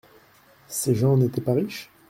Ces gens n’étaient pas riches ?